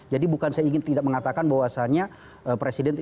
jadi bukan saya ingin tidak mengatakan bahwasanya presiden